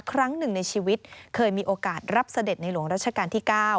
ครั้งหนึ่งในชีวิตเคยมีโอกาสรับเสด็จในหลวงรัชกาลที่๙